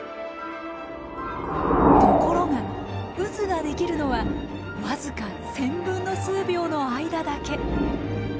ところが渦が出来るのは僅か１０００分の数秒の間だけ。